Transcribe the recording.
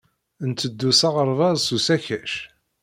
Netteddu s aɣerbaz s usakac.